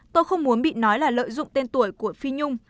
tôi không muốn bị nói là lợi dụng tên tuổi của phi nhung